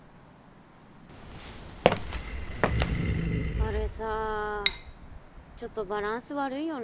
あれさちょっとバランス悪いよね。